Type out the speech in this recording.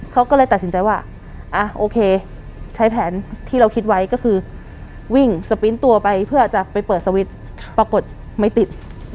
เขาก็เลยตัดสินใจว่าโอเคใช้แผนที่เราคิดไว้ก็คือวิ่งสปีนตัวไปเพื่อจะไปเปิดสวิตช์ปรากฏไม่ติด